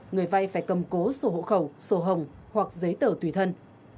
người vai phải cầm cổ sổ hộ khẩu sổ hồng hoặc giấy tờ tùy thân